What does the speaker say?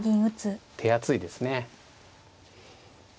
手厚いですね。